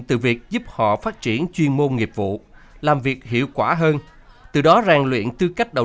từ việc giúp họ phát triển chuyên môn nghiệp vụ làm việc hiệu quả hơn từ đó ràng luyện tư cách